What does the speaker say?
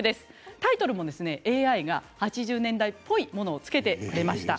タイトルもＡＩが８０年代っぽいものを付けてくれました。